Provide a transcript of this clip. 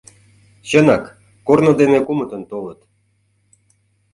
Чынак, корно дене кумытын толыт.